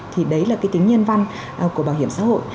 thì đấy là cái tính nhân văn của bảo hiểm xã hội